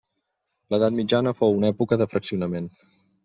L'edat mitjana fou una època de fraccionament.